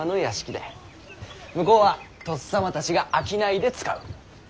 向こうはとっさまたちが商いで使う。